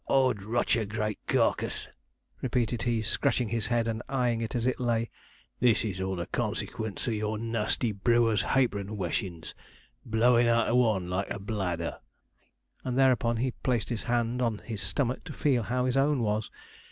''Ord rot your great carcass,' repeated he, scratching his head and eyeing it as it lay; 'this is all the consequence of your nasty brewers' hapron weshins blowin' of one out, like a bladder!' and, thereupon, he placed his hand on his stomach to feel how his own was.